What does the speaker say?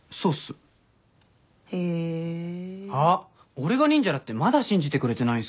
俺が忍者だってまだ信じてくれてないんすか？